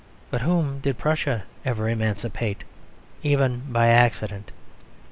But whom did Prussia ever emancipate even by accident?